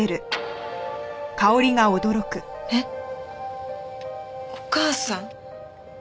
えっ？お母さん？